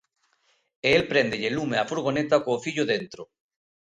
E el préndelle lume á furgoneta co fillo dentro.